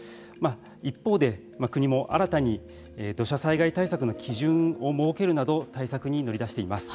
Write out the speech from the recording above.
一方で国も新たに土砂災害対策の基準を設けるなど対策に乗り出しています。